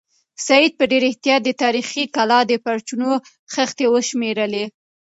سعید په ډېر احتیاط د تاریخي کلا د برجونو خښتې وشمېرلې.